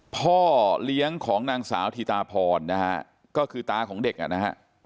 พ่อเลี้ยงของนางสาวธิตาพรนะฮะก็คือตาของเด็กอ่ะนะฮะ